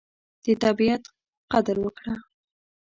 د طبیعت قدر وکړه.